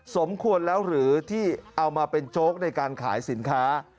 สมควรแล้วหรือที่เอามาเป็นโจ๊กในการขายสินค้า